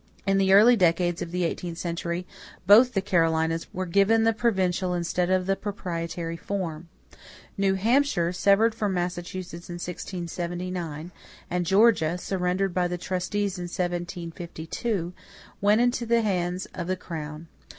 In the early decades of the eighteenth century both the Carolinas were given the provincial instead of the proprietary form. New Hampshire, severed from Massachusetts in 1679, and Georgia, surrendered by the trustees in 1752, went into the hands of the crown.